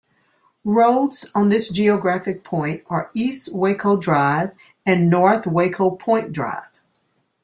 Roads on this geographic point are E. Waco Drive and N. Waco Point Drive.